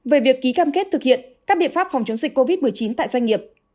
về việc ký cam kết thực hiện các biện pháp phòng chống dịch covid một mươi chín tại doanh nghiệp